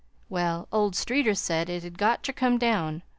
Well, old Streeter said it had got ter come down.